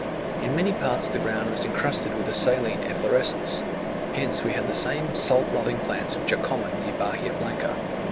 In many parts the ground was incrusted with a saline efflorescence; hence we had the same salt loving plants which are common near Bahia Blanca.